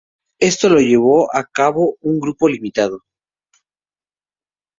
Esto lo llevó a cabo un grupo limitado.